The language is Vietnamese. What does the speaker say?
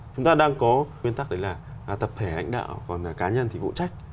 chúng ta đang có nguyên tắc đấy là tập thể lãnh đạo còn cá nhân thì vụ trách